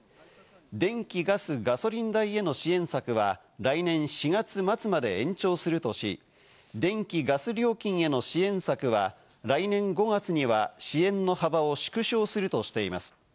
電気・ガス・ガソリン代への支援策は来年４月末まで延長するとし、電気、ガス料金への支援策は来年５月には支援の幅を縮小するとしています。